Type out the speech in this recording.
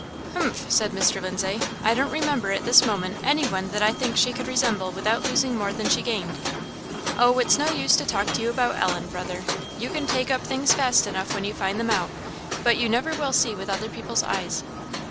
"Humph!" said Mr. Lindsay, "I don't remember at this moment any one that I think she could resemble without losing more than she gained." "Oh, it's of no use to talk to you about Ellen, brother! You can take up things fast enough when you find them out, but you never will see with other people's eyes."